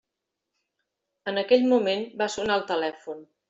En aquell moment va sonar el telèfon.